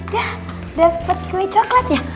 dah dapet kue coklat ya